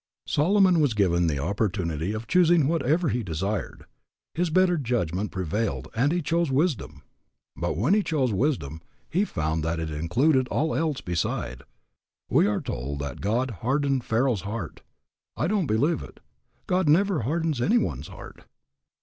Solomon was given the opportunity of choosing whatever he desired; his better judgment prevailed and he chose wisdom. But when he chose wisdom he found that it included all else beside. We are told that God hardened Pharaoh's heart. I don't believe it. God never hardens any one's heart.